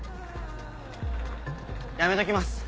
やめときます